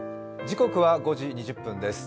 時刻は５時２０分です。